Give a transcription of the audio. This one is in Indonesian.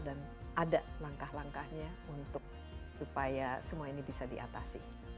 dan ada langkah langkahnya untuk supaya semua ini bisa diatasi